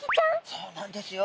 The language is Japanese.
そうなんですよ。